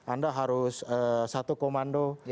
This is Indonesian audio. anda harus satu komando